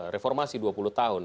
reformasi dua puluh tahun